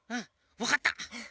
わかった。